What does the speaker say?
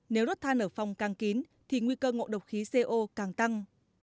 nếu đốt than ở phòng càng kín thì nguy cơ ngộ độc khí co càng tăng